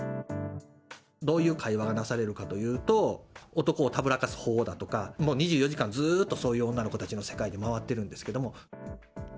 どういう会話がなされるかというと、男をたぶらかす方法だとか、２４時間ずっと、そういう女の子たちの世界で回ってるんですけれども。